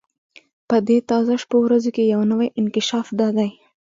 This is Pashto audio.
په دې تازه شپو ورځو کې یو نوی انکشاف دا دی.